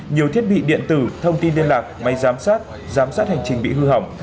nhiều thiết bị điện tử thông tin liên lạc máy giám sát giám sát hành trình bị hư hỏng